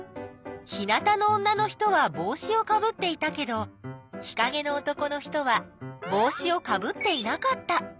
日なたの女の人はぼうしをかぶっていたけど日かげの男の人はぼうしをかぶっていなかった。